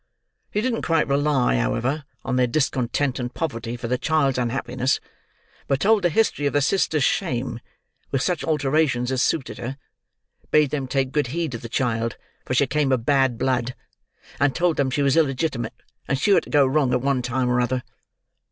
She didn't quite rely, however, on their discontent and poverty for the child's unhappiness, but told the history of the sister's shame, with such alterations as suited her; bade them take good heed of the child, for she came of bad blood; and told them she was illegitimate, and sure to go wrong at one time or other.